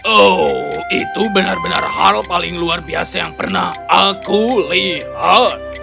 oh itu benar benar hal paling luar biasa yang pernah aku lihat